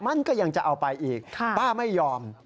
มันก็ยังจะเอาไปอีกป้าไม่ยอม